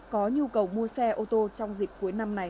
có nhu cầu mua xe ô tô trong dịp cuối năm này